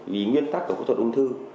vì nguyên tắc của phẫu thuật ung thư